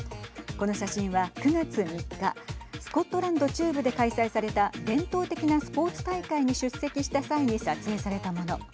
この写真は９月３日スコットランド中部で開催された伝統的なスポーツ大会に出席した際に撮影されたもの。